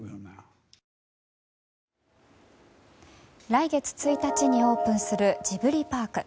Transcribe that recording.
来月１日にオープンするジブリパーク。